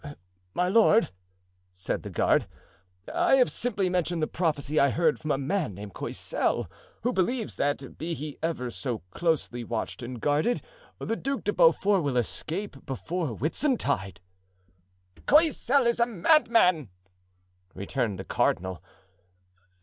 "My lord," said the guard, "I have simply mentioned the prophecy I heard from a man named Coysel, who believes that, be he ever so closely watched and guarded, the Duke of Beaufort will escape before Whitsuntide." "Coysel is a madman!" returned the cardinal.